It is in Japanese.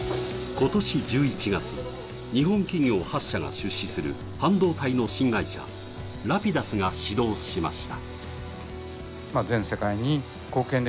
今年１１月、日本企業８社が出資する半導体の新会社、ラピダスが始動しました。